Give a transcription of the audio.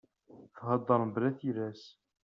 Thedder mebla tilas.